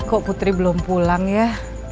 kok putri belum pulang ya